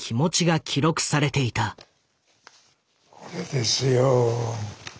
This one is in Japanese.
これですよ。